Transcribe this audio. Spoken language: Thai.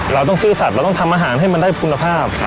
เราต้องซื่อสัตว์เราต้องทำอาหารให้มันได้คุณภาพ